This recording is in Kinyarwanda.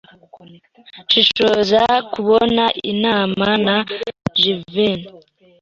Sinshobora kubona inama na Jivency.